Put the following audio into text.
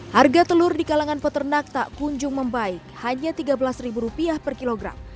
harga telur di kalangan peternak tak kunjung membaik hanya rp tiga belas per kilogram